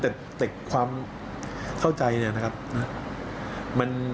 แต่ความเข้าใจเนี่ยนะครับ